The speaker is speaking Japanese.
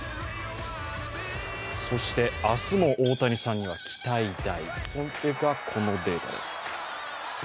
そして、明日も大谷さんには期待大それがこのデータです。